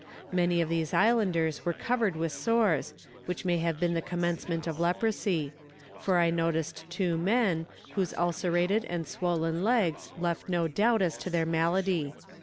Many of these islanders were covered with sores, which may have been the commencement of leprosy; for I noticed two men, whose ulcerated and swollen legs left no doubt as to their malady.